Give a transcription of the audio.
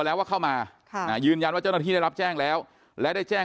แล้วว่าเข้ามายืนยันว่าเจ้าหน้าที่ได้รับแจ้งแล้วและได้แจ้ง